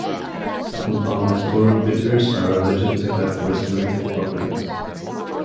Angostura bitters are alleged to have restorative properties.